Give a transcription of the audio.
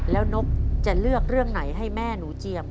แล้วนกจะเลือกเรื่องไหนให้แม่หนูเจียม